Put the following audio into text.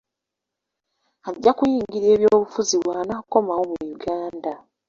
Ajja kuyingira ebyobufuzi bw'anaakomawo mu Uganda.